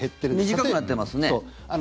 短くなってますね。